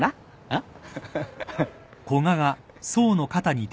あっ？